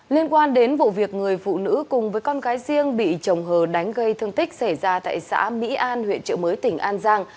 liên quan đến vụ việc người phụ nữ cùng với con gái riêng bị chồng hờ đánh gây thương tích xảy ra tại xã mỹ an huyện trợ mới tỉnh an giang